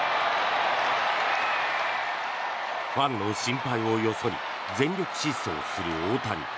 ファンの心配をよそに全力疾走する大谷。